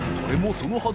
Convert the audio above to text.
そのはず